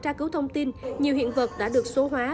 tra cứu thông tin nhiều hiện vật đã được số hóa